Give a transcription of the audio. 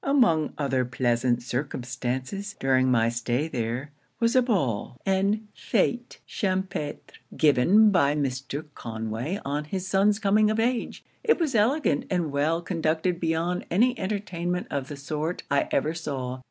Among other pleasant circumstances, during my stay there, was a ball and fête champêtre, given by Mr. Conway on his son's coming of age. It was elegant, and well conducted beyond any entertainment of the sort I ever saw.